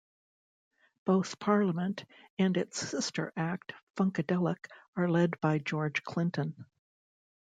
Both Parliament and its sister act, Funkadelic, are led by George Clinton.